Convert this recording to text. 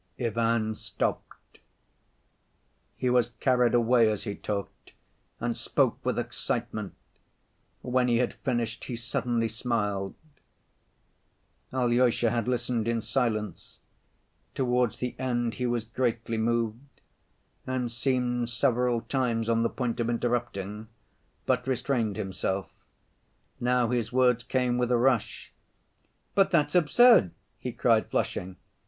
_'" Ivan stopped. He was carried away as he talked, and spoke with excitement; when he had finished, he suddenly smiled. Alyosha had listened in silence; towards the end he was greatly moved and seemed several times on the point of interrupting, but restrained himself. Now his words came with a rush. "But ... that's absurd!" he cried, flushing.